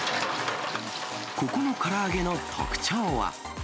ここのから揚げの特徴は。